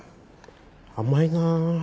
甘いなあ。